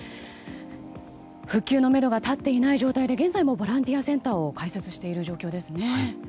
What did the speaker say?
復旧のめどが立っていない状況で現在もボランティアセンターを開設している状況ですね。